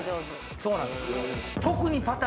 そうなんです。